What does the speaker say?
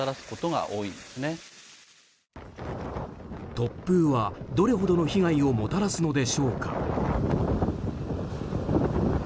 突風は、どれほどの被害をもたらすのでしょうか。